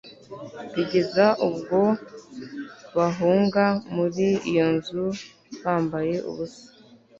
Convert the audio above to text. bigeza ubwo bahunga muri iyo nzu bambaye ubusa